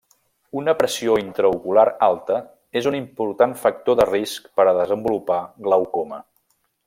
Una pressió intraocular alta és un important factor de risc per a desenvolupar glaucoma.